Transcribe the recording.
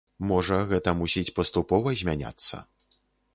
Можа, гэта мусіць паступова змяняцца.